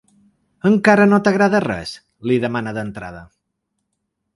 Encara no t’agrada res?, li demana d’entrada.